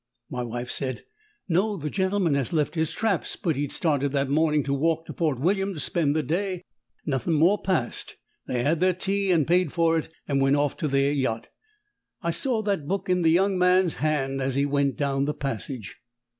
My wife said, 'No; the gentleman had left his traps, but he'd started that morning to walk to Port William to spend the day.' Nothing more passed. They had their tea, and paid for it, and went off to their yacht. I saw that book in the young man's hand as he went down the passage.